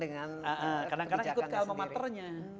tergantung dengan kebijakan sendiri